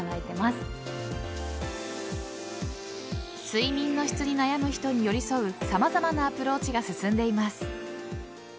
睡眠の質に悩む人に寄り添う様々なアプローチが進んでいます。